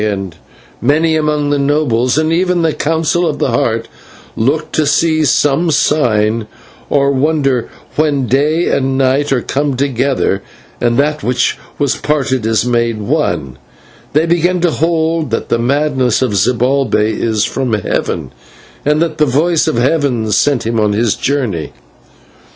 and many among the nobles, and even the Council of the Heart look to see some sign or wonder when Day and Night are come together, and that which was parted is made one, for they begin to hold that the madness of Zibalbay is from heaven, and that the voice of heaven sent him on his journey."